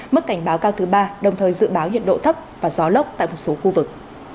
mức cảnh báo cao thứ ba đồng thời dự báo nhiệt độ thấp và gió lốc tại một số khu vực